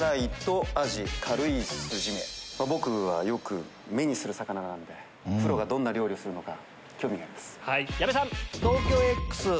僕はよく目にする魚なんでプロがどんな料理をするのか興味があります。